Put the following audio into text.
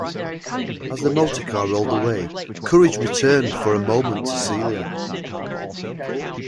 As the motorcar rolled away, courage returned for a moment to Celia.